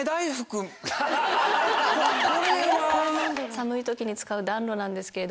寒い時に使う暖炉なんですけど。